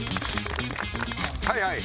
はいはい。